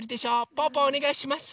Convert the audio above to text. ぽぅぽおねがいします。